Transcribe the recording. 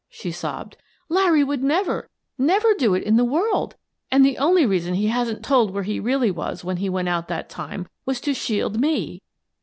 she sobbed. "Larry would never, never do it in the world !— And the only reason he hasn't told where he really was when he went out that time was to shield me."